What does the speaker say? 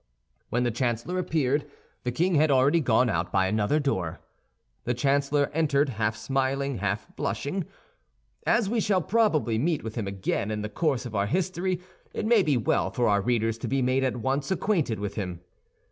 When the chancellor appeared, the king had already gone out by another door. The chancellor entered, half smiling, half blushing. As we shall probably meet with him again in the course of our history, it may be well for our readers to be made at once acquainted with him.